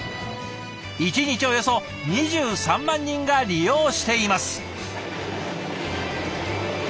１日およそ２３万人が利用しています。